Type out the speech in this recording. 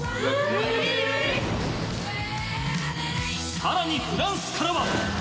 さらにフランスからは。